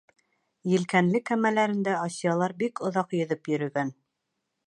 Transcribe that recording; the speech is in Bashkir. Елкәнле кәмәләрендә Асиялар бик оҙаҡ йөҙөп йөрөгән.